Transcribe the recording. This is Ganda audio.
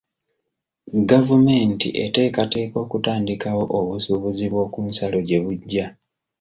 Gavumenti eteekateeka okutandikawo obusuubuzi bw'oku nsalo gye bujja.